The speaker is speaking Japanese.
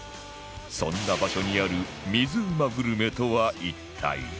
そんな場所にある水うまグルメとは一体？